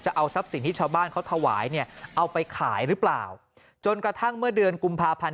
เอาทรัพย์สินที่ชาวบ้านเขาถวายเนี่ยเอาไปขายหรือเปล่าจนกระทั่งเมื่อเดือนกุมภาพันธ์